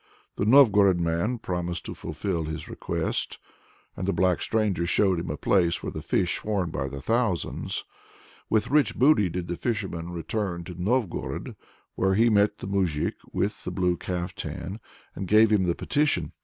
'" The Novgorod man promised to fulfil this request, and the black stranger showed him a place where the fish swarmed by thousands. With rich booty did the fisherman return to Novgorod, where he met the moujik with the blue caftan, and gave him the petition.